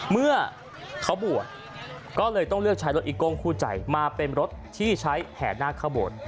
เมื่อเขาบวชก็เลยต้องเลือกใช้รถอีโก้งคู่ใจมาเป็นรถที่ใช้แห่นาคเข้าโบสถ์